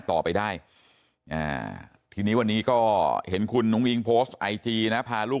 ต่อไปได้ทีนี้วันนี้ก็เห็นคุณนุ้งอิงโพสต์ไอจีนะพาลูก